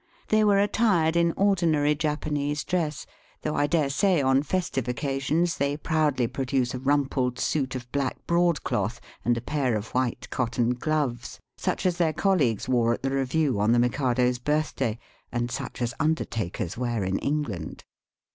They were attired in ordinary Japanese dress, though I dare say on festive occasions they proudly produce a rumpled suit of black broadcloth and a pair of white cotton gloves, such as their colleagues wore at the review on the Mikado's birthday, and such as undertakers wear in England.